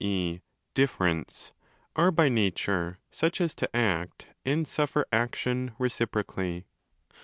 e. ' differents', are by nature such as to act and suffer action reciprocally.